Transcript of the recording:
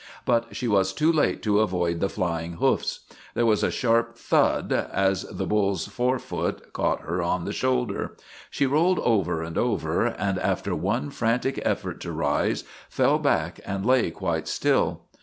But she was too late to avoid the flying hoofs. There was a sharp thud as the bull's forefoot caught her in the shoulder. She rolled over and over and, after one frantic effort to rise, fell back and lay quite still.